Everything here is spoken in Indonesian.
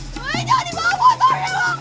woy jangan dibawa motornya dong